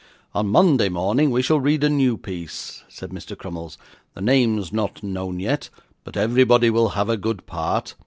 'On Monday morning we shall read a new piece,' said Mr. Crummles; 'the name's not known yet, but everybody will have a good part.